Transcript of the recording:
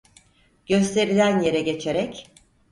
Gösterilen yere geçerek: